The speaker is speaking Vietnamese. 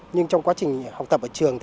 nhưng trong quá trình học tập ở trường